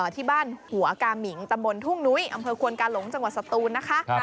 ที่บ้านหัวกามิงตำบลทุ่งนุ้ยอำเภอควนกาหลงจังหวัดสตูนนะคะ